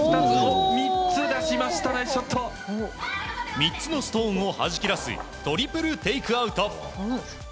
３つのストーンをはじき出すトリプルテイクアウト。